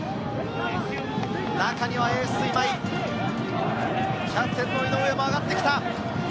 中にはエースの今井、キャプテンの井上も上がってきた。